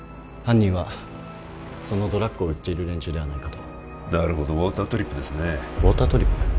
犯人はそのドラッグを売っている連中ではないかとなるほどウォータートリップですねウォータートリップ？